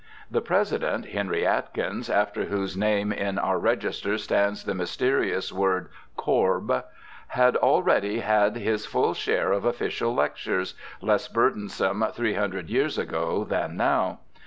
The President, Henry Atkins, after whose name in our Register stands the mj'sterious word ' Corb ', had already had his full share of official lectures, less burdensome three hundred years ago than now.